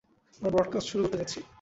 আমরা ব্রডকাস্ট শুরু করতে যাচ্ছি।